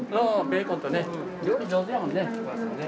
ベーコンとね料理上手だもんね。